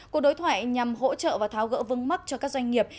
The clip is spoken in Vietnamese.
cuộc đối thoại nhằm hỗ trợ và tháo gỡ vương mắc cho các doanh nghiệp